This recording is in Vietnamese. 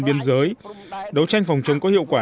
biên giới đấu tranh phòng chống có hiệu quả